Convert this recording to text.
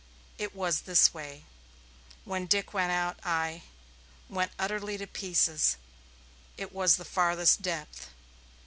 It was this way. When Dick went out I went utterly to pieces. It was the farthest depth.